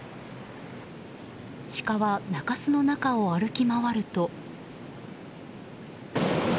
シカは、中州の中を歩き回ると。